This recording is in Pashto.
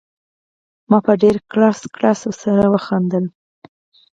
ما په ډېر کړس کړس سره ورته وخندل.